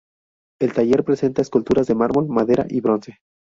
El taller presenta esculturas de mármol, madera y bronce.